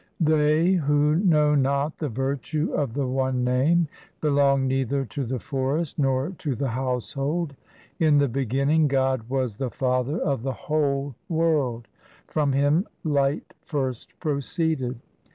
They who know not the virtue of the One Name, Belong neither to the forest nor to the household. In the beginning God was the father of the whole world ; From Him light first proceeded.